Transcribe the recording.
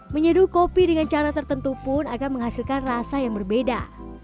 menyeduh kopi dengan cara tertentu pun akan menghasilkan rasa yang berbeda